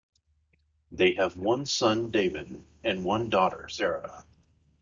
They have one son, David, and one daughter, Sara.